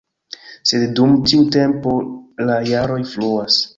Sed dum tiu tempo la jaroj fluas.